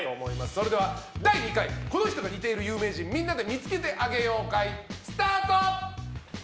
それでは、第２回この人が似ている有名人みんなで見つけてあげよう会スタート！